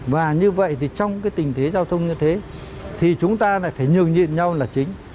và như vậy thì trong cái tình thế giao thông như thế thì chúng ta lại phải nhường nhịn nhau là chính